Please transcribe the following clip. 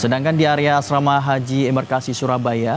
sedangkan di area asrama haji embarkasi surabaya